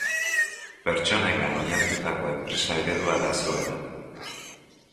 Pertsonengan oinarritutako enpresa eredua da zuena.